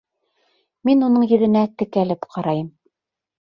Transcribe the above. Мин уның йөҙөнә текәлеп ҡарайым.